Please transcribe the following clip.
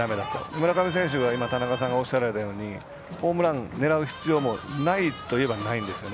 村上選手は田中さんがおっしゃられたようにホームラン狙う必要もないといえばないんですよね。